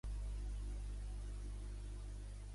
Mar, escriu a sota.